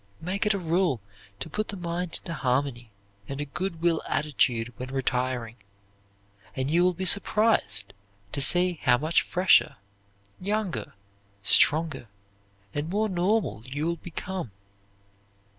Make it a rule to put the mind into harmony and a good will attitude when retiring, and you will be surprised to see how much fresher, younger, stronger and more normal you will become.